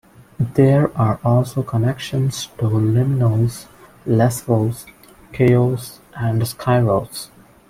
There are also connections to Limnos, Lesvos, Chios and Skyros.